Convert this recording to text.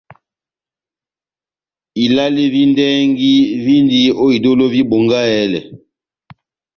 Ilale vi ndɛhɛgi víndi ó idólo vi Bongahɛlɛ.